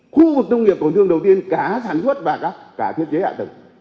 khu vực nông nghiệp tổn thương đầu tiên cả sản xuất và cả thiết chế hạ tầng